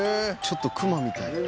ちょっとクマみたい。